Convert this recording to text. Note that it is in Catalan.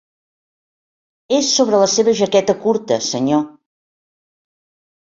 És sobre la seva jaqueta curta, senyor.